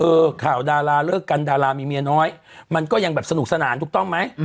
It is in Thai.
ข่าวดาราเลิกกันดารามีเมียน้อยมันก็ยังแบบสนุกสนานถูกต้องไหม